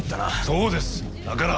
そうです！だから。